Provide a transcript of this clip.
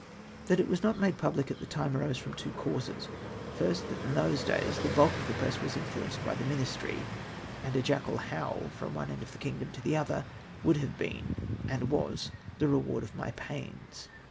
That it was not made pul)lic at the time arose from two causes. Fh'st, that in those days the bulk of the press was influenced by the IMinistry ; and a jackal howl, from one end of the kmgdom to the other, would have been — and was, the reward of my pains.